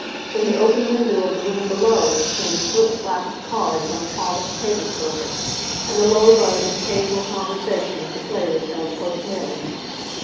From the open window of the room below came the slip slap of cards on the polished table surface, and the low buzz of occasional conversation as the players held postmortems.